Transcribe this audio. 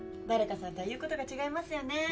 誰かさんとは言うことが違いますよね。